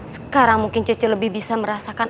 sekarang mungkin cici lebih bisa merasakan